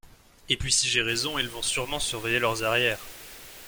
Et puis si j’ai raison ils vont sûrement surveiller leurs arrières.